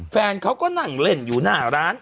แฟนเขาก็นั่งเล่นอยู่หน้าร้าน